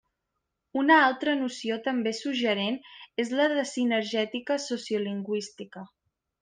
Una altra noció també suggerent és la de sinergètica sociolingüística.